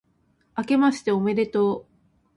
あけましておめでとう、